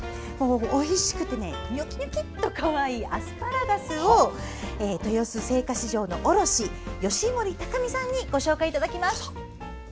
おいしくて、ニョキニョキっとかわいいアスパラガスを豊洲青果市場卸の吉守隆美さんにご紹介いただきます。